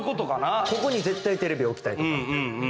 ここに絶対テレビを置きたい。